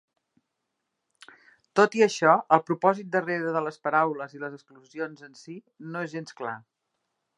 Tot i això, el propòsit darrere de les paraules i les exclusions en si no és gens clar.